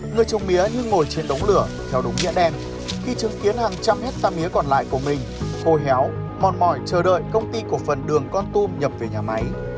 người trồng mía như ngồi trên đống lửa theo đúng nghĩa đen khi chứng kiến hàng trăm hectare mía còn lại của mình hô héo mòn mỏi chờ đợi công ty cổ phần đường con tum nhập về nhà máy